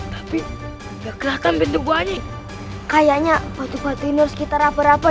tapi kelihatan pintu buahnya kayaknya waktu waktu ini harus kita rapat rapat